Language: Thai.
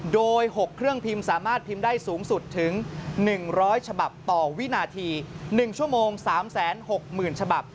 โดย๖เครื่องพิมพ์สามารถพิมพ์ได้สูงสุดถึง๑๐๐ฉบับต่อวินาที๑ชั่วโมง๓๖๐๐๐ฉบับ